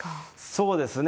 そうですね。